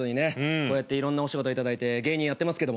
こうやっていろんなお仕事頂いて芸人やってますけども。